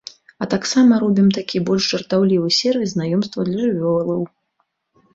А таксама робім такі больш жартаўлівы сервіс знаёмстваў для жывёлаў.